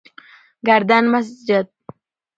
گردن مسجد: